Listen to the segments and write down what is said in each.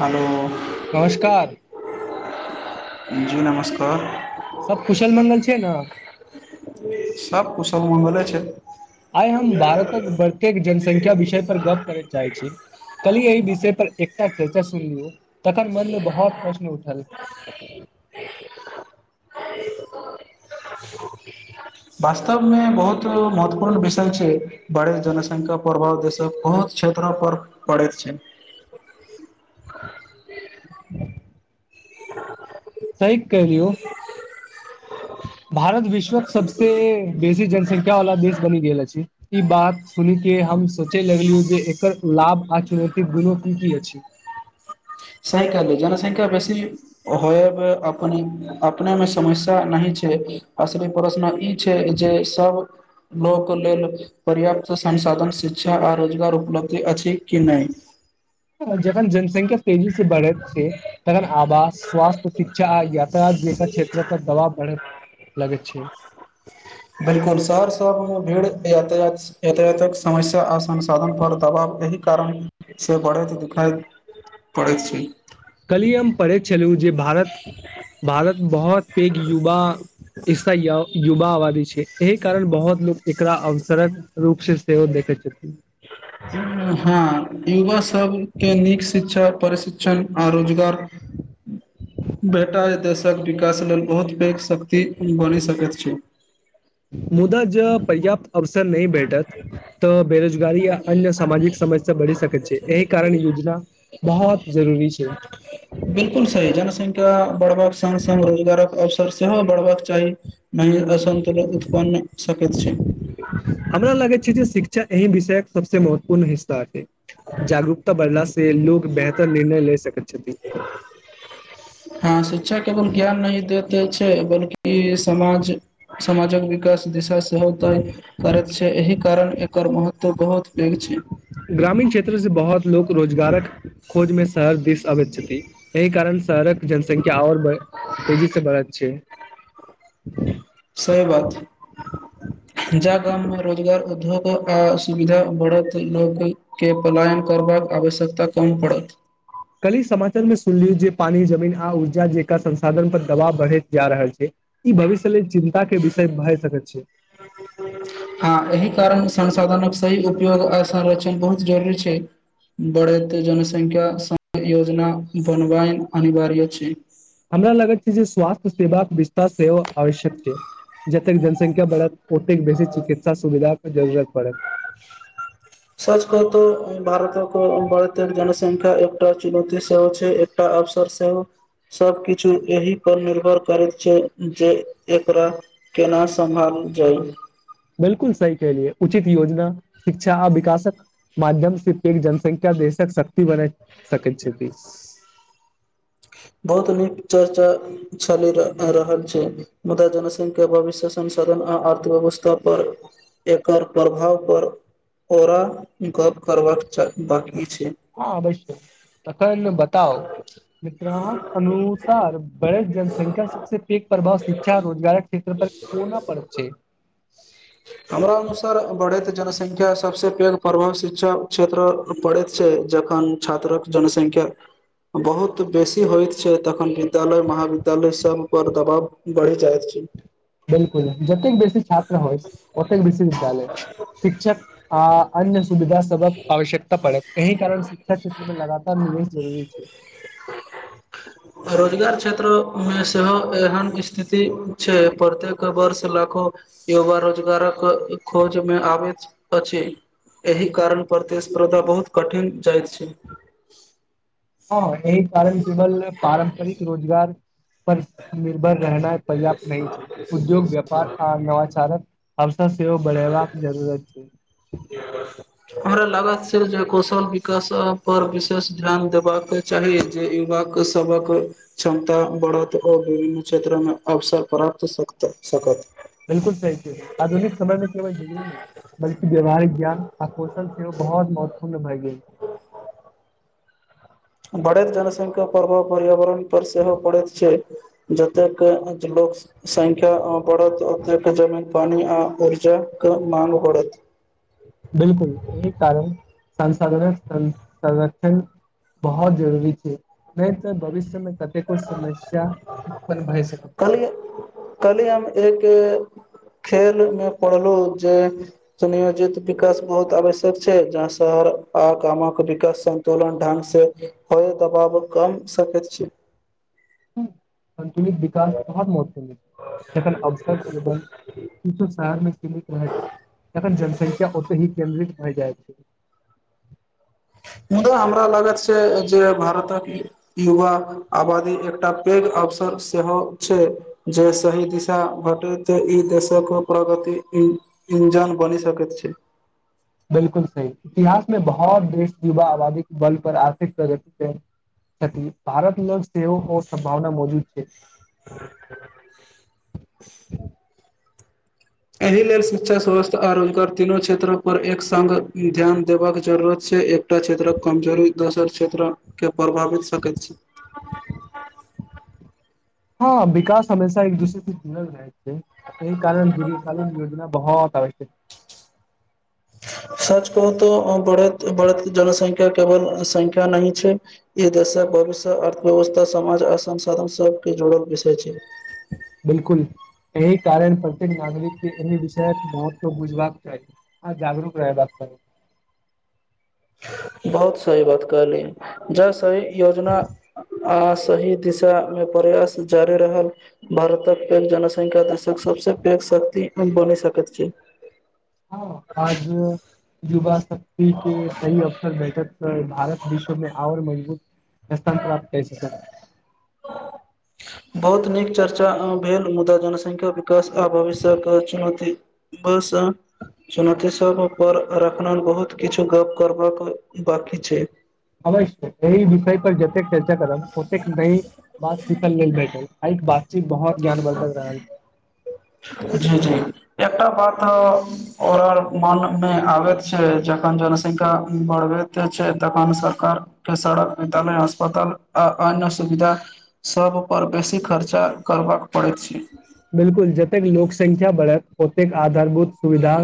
hello नमस्कार जी नमस्कार सब कुशल मंगल छै ने सब कछ मगले छै आइ हम भारतक बतेक जनसंख्या विषय पर गप करय चाहैत छी कली एहिह विषय पर एकटा चर्चा सुन लियौ तखन मन मे बहुत प्रश्न उठल वास्तवमे बहुत महत्वपूर्ण विषय छै बढ़त जनसंख्या प्रभाव देशक बहुत क्षेत्र पर पड़ैत छै [inaudible] सहिक करौ भारत विश्वक सबस बेसी जनसंख्या वाला देश बनि गेल अछि ई बात सुन के हम सोचय लगलहुँ जे एकर लाभ आ चुनौती दुनू की की अछि स जनसंख्या बेसी हो अपने अपने मे समस्या नहि छै असली प्रश्न ई छै जे सब लोक लेल पर्याप्त संसाधन शिक्षा आ रोजगार उपलब्ध की अछि कि नहि जखन जनसंख्या तेजी से बढ़ैत तन आवास स्वास्थ्य शिक्षा आ यातायात ज क्षेत्र पर दबाव बढ़त लगै छै बिलकुल शहर सबमे भीड़ य यातायातक समस्या आ संसाधन पर दबाव अ कारण से बढ़ैत दुखैत पढ़ैत छै कलियम परे छलू जे भारत भारतमे बहुत पैघ युवा हिस्सा य युवा आबादी छै एहि कारण बहुत लोग एकरा अवसरक रूप से सेहो देखे छै हँ युवा सबके नीक शिक्षा प्रशिक्षण आ रोजगार भेटातश क विकास लेल बहुत पैघ शक्ति बनि सकैत छै मुदा ज पर्याप्त अवसर नहि बैठ े तऽ बेरोजगारी य अन्य सामाजिक समस्या बढ़ि सकैत छै एहि कारण योजना कावत बहुत जरूरी छै बिलकुल सही छै बढ़बाक संग स्ग रोजगारक अवसर सेहो बढ़बाक चाही नहि असन्तुलन उत्पन्न नहि सकैत छै हमरा लगैत शिक्षा एहि विषय सबसँ महत्वपूर्ण हिस्सा छैक जागरूकता बढ़ला से से लोकोग बेहतर निर्णय ले सकैत छथिन हँ शिक्षा केवल ज्ञान नहि दैत छै बल्कि समाज समाजक विकास दिशा सेहो तय करैत छै एहि कारण एकर महत्व बहुत पैघ छै ग्रामीण क्षेत्र से बहुत लोक रोजगारक खोजमे शहर दिस अबैत छथि एहि कारण शहरक जनसंख्या आओर तेजी से बढ़त छै सही बात ह [unintelligible] जा गाममे रोजगार उद्योग आ सुविधा बढ़त लोकोकँ पलायन करबाक आवश्यकता कम पड़त कली समाचार मे सुनलियौ जे पानी जमीन आ ऊर्जा जेक संसाधन पर दबाव बढ़ैत जा रहल छै ई भविष्य लेल चिन्ता के विषय भए सकैत छै हँ एहि कारणसँ संसाधनक सही उपयोग आ संरक्षण बहुत जरूरी छै बढ़ैत जनसंख्या संख्या समय योजना बनबाय अनिवार्य छै हमरा लगत छै जे स्वास्थ्य सेवा विस्तार सेहो आवश्यक छै जतेक जन संख्या बढ़त ओतेक बेसी चिकित्सा सुविधाके जरूरत पड़त सच कहु त भारतक बढैत जनसंखा एकटा चुनती सेहो छै एकटा अवसर सेहो सबकछु एहि पर निर्भर करैत छै जे एकरा केना सम्भाल ज [unintelligible] बिलकुल सही कहलियए उचित योजना शिक्षा आ विकासक माध्यम से जनसंख्या देशक शक्ति बनेैत सकैत छथि [inaudible] बहुत नीक चर्चा चलि रहल छै मुदा जनसंख्या भविष्य संसाधन अर्थव्यवस्था पर एकर प्रभाव पर ओरा गप करबाक चाहि बा हँ अबश्य तखन बताउ ग्राहक अनुसार बढ़ैत जनसंख्या सबसे पैघ प्रभाव शिक्षा रोजगारक क्षेत्र पर कोना परैत छैक हमरा अनुसार बढैत जनसंख्या सबसे पैघ प्रभाव शिक्षा क्षेत्र पड़ैत छै जखन छात्रक जनसंख्या के बहुत बेसी होइत छै तखन विद्यालय महाविद्यालय सब पर दबाव बढ़ि जाइत छै बिलकुल जतेक बेसी छात्र होइत ओतेक बेसी विद्यालय शिक्षक आ अन्य सुविधा सबक आवश्यकता पड़े एहि कारण शिक्षा क्षेत्रमे लगातार निवेश जरूरी छै भरो [unintelligible] क्षेत्र मे सेहो एहन स्थिति छै प्रत्येक वर्ष लाखो युवा रोजगारक खोजमे आबैत अछि एहि कारण प्रतिस्पर्धा बहुत कठिन भय जाइत छैक हँ एहि कारण केवल पारम्परिक रोजगार पर निर्भर रहनय पर्याप्त नहि छै उद्योग व्यापार आ नवाचारक अव सन बढ़याबाक सेहो जरूरत छै हमरा लागैत छैक जे कौशल विकास पर विशेष ध्यान देबाकेँ चाही जे युवाक सबक क्षमता बढ़त औ विभिन्न क्षेत्र मे अवसर पड़ कत सकत बिलकुल सही चीज आधुनिक समय मे केवल बिजली बल्कि व्यवहारिक ज्ञान आ कौशल सेहो बहुत महत्वपूर्ण भए गेल छै बढ़ैत जनसंख्या प्रभाव पर्यावरण पर सेहो पड़ैत छै जतेक लोक संख्या बढ़त ओतेक जमीन पानी आ ऊर्जा क मांग बढ़त बिलकुल एहि कारण संसाधन सं संरक्षण बहुत जरूरी छै नहि तऽ भविष्यमे कतेको समस्या उत्पन्न भइ सकत छै कल्हि काल्हि हम एक खेल मे पढ़लहु जे सुनियोजित विकास बहुत आवश्यक छै जहाँ स आ कामक विकास संन्तुलन ढंग से होय दबाव कम सकैत छी संन्तुलित विकास बहुत महत्वपूर्ण जखन अवसर केवल रह छै तखन जनसंख्या ओते ही केन्द्रित भए जाइत छै मुदा हमरा लागत छै जे भारतक युवा आबादी एकटा पैघ अवस र सेहो छै जे सही दिशा भेटैत ई देशक प्रगति इंजन बनी सकैत छै [inaudible] बिल्कुल सही इतिहास मे बहुत देश युवा आबादी के बल पर आर्थिक प्रगति से भारत लोक सेहो ओ संभावना मौजूद छै एहि लेल शिक्षा स्वास्थ्य आ रोजगार तीनू क्षेत्र पर एक संग ध्यान देबाक जरूरत छै क्षेत्रक कमजोरी दोसर क्षेत्र के प्रभावित सकैत छी हु विकास हमेशा एक दूसरे से जुड़ल जाई एहि कारण दीर्घ कालीन योजना बहुत आवश्यक सच कहु तो बढ़ बढ़त जनसंख्या केवल संंख्या नहि छै ई देशक भविष्य अर्थव्यवस्था समाज आ संसाधन सब जुड़क विषय छै बिल्कुल एहि कारण प्रत्येक नागरिक ए विषयक महत्व बुझलाक चाही आ जगरूक रहबाक चाही [inaudible] बहुत सही बात कहली ज सही योजना आ सही दिशा मे प्रयास जारी रहल भारतक पैघ जनसंख्या देशक सबस पैघ शक्ति बनि सकैत छै हाँ आज युवा शक्ति के सही अवसर बैठक भारत विश्व में आउर मजबूत स्थान प्राप्त कर सक बहुत नीक चर्चा भेल मुदा जनसंख्या विकास आ भविष्यके चुनौती बस सुनती सपर रखन बहुत किछु गप करबाक बाकी छै अवश्य एहि विषय पर जेतय चर्चा करब ओतेक न बात सिखल लेल भटल आई केबात जी जी एकटा बात मन मे आबैत छै जखन जनसंख्या बढ़ करते छै तखन सरकार के सड़क विद्यालय अस्पताल आ अन्य सुविधा सब पर बेसी खर्चा करबाक पड़ैय छै बिल्कुल जतेक लोक संंख्या बढ़त ओतेक आधारभूत सुविधा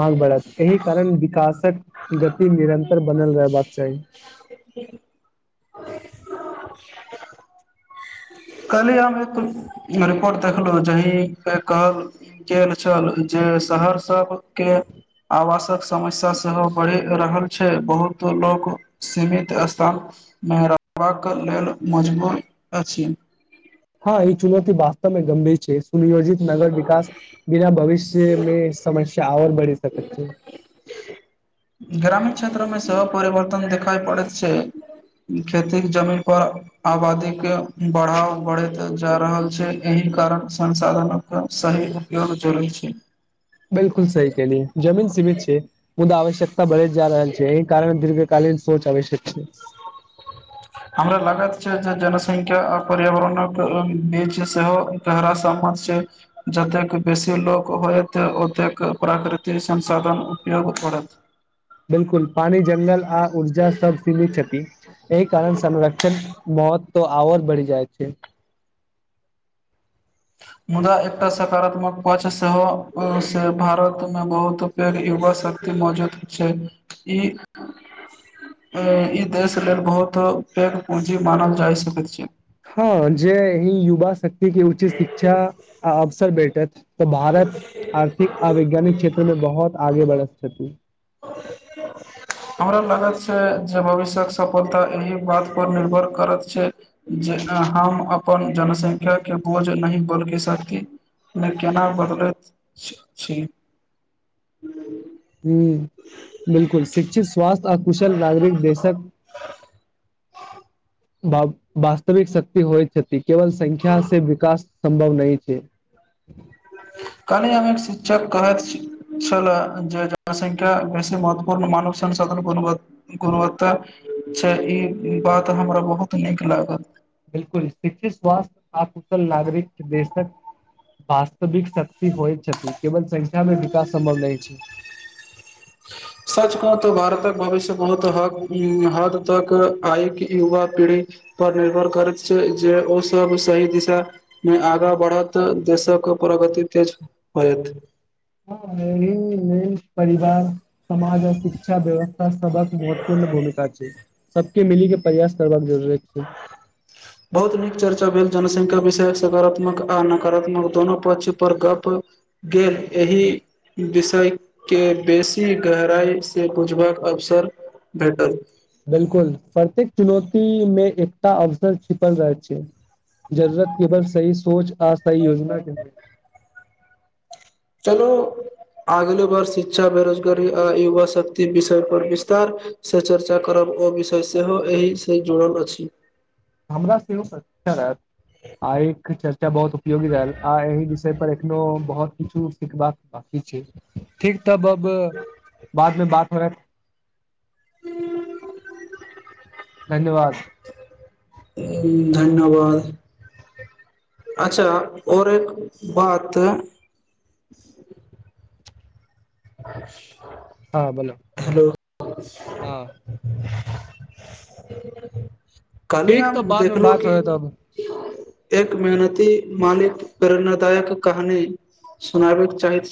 मांग बढ़त एहि कारण विकासक गति निरन्तर बनल रहबाक चाही [unintelligible] काल्हि हम एक रिपोर्ट देखलहुँ जाहिके कहल गेल छन जे सहरसा के आवासक समस्या सेहो बढ़ि रहल छै बहुत लोक सीमित स्थान मेराबाक लेल मजबूर अछि हाँ ई चुनौती वास्तवमे गंभीर छै नियोजित नगर विकास बिना भविष्य मे समस्या आ ओर बढ़ि सकैत छै [inaudible] ग्रामीण क्षेत्रमे सेहो परिवर्तन देखाई पड़ैत छै खेती जमीन पर आबादी के बढ़ाव बढ़ैत जा रहल छै एहि कारण संसाधनक सही उपयोग जलैत छै बिल्कुल सही कलियै जमीन सीमित छै मुदा आवश्यकता बढ़ैत जा रहल छै एहि कारण दीर्घ कालीन सोच आबशयक छै हमरा लागत छै जे जनसंख्या आ पर्यावरणक बीच सेहो एक हरास छै जतेक बेसी लोक होयत ओतेक प्राकृतिक संसाधन उपयोग हो तुरत बिल्कुल पानी जंगल आ ऊर्जा सब सीमित एहि कारण संरक्षण बहुत आओर बढ़ि जाइत छै मुदा एकटा सकारात्मक पक्ष सेहो से भारतमे बहुत पैघ युवा शक्ती मौजूद छैक ई ई देश लेल बहुत पैघ पूंजी मानल जाय सकैत छै हँ जे ही युवा शक्ति उचित शिक्षा अवसर भैटत तऽ भारत आर्थिक आ वैज्ञानिक क्षेत्रमे बहुत आगे बढ़थ छथि हमरा लागैत छै जे भविष्य्यक सफलता एहि बात पर निर्भर करैत छै जे हम अपन जनसंख्या के बोझ नहि बनके शक्ति नइ केना बदलैत छ छै हूँ बिलकुल शिक्षित स्वास्थ्य आ कुश ल नागरिक देशक बा वास्तविक शक्ति होइत छथि केवल संख्या से विकास संभव नहि छै [inaudible] [unintelligible] कनी हम एक शिक्षक कहैत छि छलो जे जनसंख्या बेसी महत्वपूर्ण मानुष संसधन गुनवत गुणवत्ता छै बात हमरा बहुत नीक लागल बिलकुल शिक्षित स्वास्थ आ कुशल नागरिक केँ देशक वास्तविक शक्ति होइत छथि केवल संख्या मे विकास सम्भव नई छै सच कह तऽ भारतक भविष्य बहुत हद हद तक आइ के युवा पीढ़ी पर निर्भर करैत छै जे ओसभ सही दिशा मे आगाँ बढ़त देशक ओकर प्रगति तेज होएत हँ [unintelligible] परिवार समाज आ शिक्षा व्यवस्था सबक महत्वपूर्ण भूमिका छैक सबके मिलके प्रयास करबाक जरूरत छैक बहुत नीक चर्चा भेल जनसंख्या विषय सकारात्मक आ नकारात्मक दोनो पक्ष पर गप गे एहि [unintelligible] विषय के बेसी गहराइ से बुझबक अवसर भेटल बिलकुल प्रत्येक चुनौती मे एकटा अवसर छिपल रहैत छैैक जरूुरत केवल सही सोच आ सही योजना के होइ चलो आगलो बार शिक्षा बेरोजगारी आ युवा शक्ति विषय पर विस्तार से चर्चा करब ओ विषय सेहो एहिसँ जोड़ल अछि हमरा सेहो आ एक चचा [unintelligible] बहुत उपयोगी रहल आ एहि विषय पर एखनो बहुत किछु सीखबाक बाकी छै ठीक तब अब बादमे बात हो रहा धन्यवाद धन्यवाद अच्छा और एक बात [inaudible] ह [unintelligible] हा बोलो हां कहली ठीक तऽ हम बादमे देखलो बात की होयत अब एक मेहनती मालिकक प्रेरणादायक कहानी सुनाबय चाहैत छी